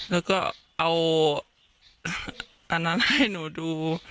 แล้วก็เอาอันนั้นให้หนูดู